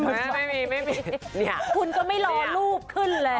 ไม่คุณก็ไม่รอรูปขึ้นเลย